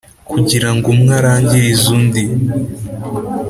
kugirango umwe arangirize undi